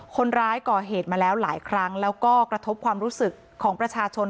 คนร้ายก่อเหตุมาแล้วหลายครั้งแล้วก็กระทบความรู้สึกของประชาชน